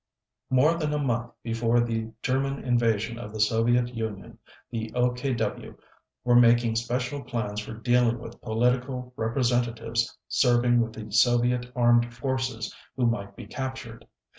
More than a month before the German invasion of the Soviet Union, the OKW were making special plans for dealing with political representatives serving with the Soviet Armed Forces who might be captured.